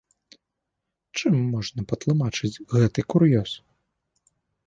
Чым можна патлумачыць гэты кур'ёз?